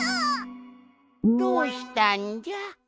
どうしたんじゃ？